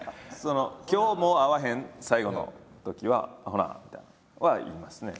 今日もう会わへん最後のときは「ほな」みたいなんは言いますね。